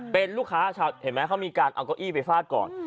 เป็นลูกค้าเห็นไหมเขามีการเอาเก้าอี้ไปฟาดก่อน